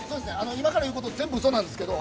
今から言うこと、全部うそなんですけど。